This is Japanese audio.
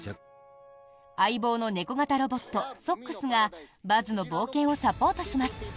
相棒の猫型ロボットソックスがバズの冒険をサポートします。